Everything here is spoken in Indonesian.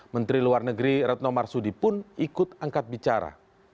menteri luar negeri retno marsudi pun ikut angkat bicara